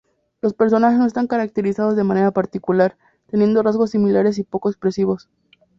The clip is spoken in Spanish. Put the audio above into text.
Los personajes no están caracterizados de manera particular, teniendo rasgos similares y poco expresivos.